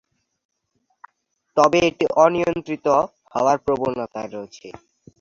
তবে এটি অনিয়ন্ত্রিত হওয়ার প্রবণতা রয়েছে।